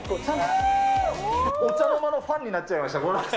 お茶の間のファンになっちゃいました。